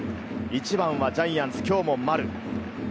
１番はジャイアンツ、今日も丸。